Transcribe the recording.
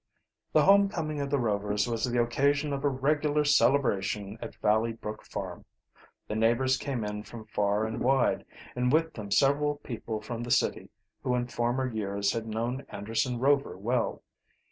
The home coming of the Rovers was the occasion of a regular celebration at Valley Brook farm. The neighbors came in from far and wide and with them several people from the city who in former years had known Anderson Rover well.